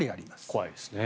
怖いですね。